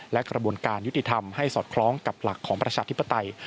และกระบวนการยุติธรรมให้สอดคล้องกับหลักของประชาธิปไตย